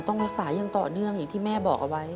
ต้องรักษาอย่างต่อเนื่องอย่างที่แม่บอกเอาไว้